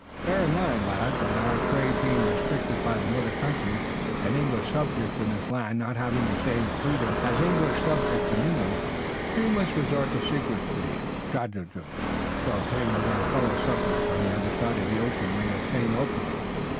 Bear in mind, lad, that our trade being restricted by the mother country and English subjects in this land not having the same freedom as English subjects in England, we must resort to secrecy and stratagem to obtain what our fellow subjects on the other side of the ocean may obtain openly.